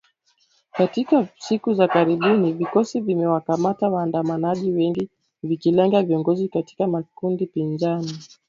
Katika siku za karibuni vikosi vimewakamata waandamanaji wengi , vikilenga viongozi katika makundi pinzani.